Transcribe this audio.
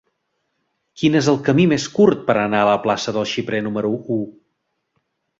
Quin és el camí més curt per anar a la plaça del Xiprer número u?